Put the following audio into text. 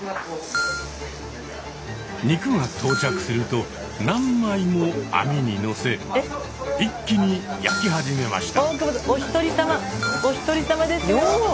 肉が到着すると何枚も網にのせ一気に焼き始めました。